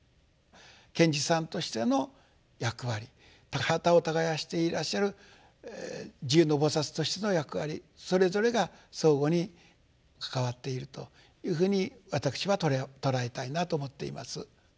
賢治さんとしての役割田畑を耕していらっしゃる地涌の菩薩としての役割それぞれが相互に関わっているというふうに私は捉えたいなと思っています。